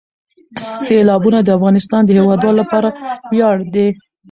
سیلابونه د افغانستان د هیوادوالو لپاره ویاړ دی.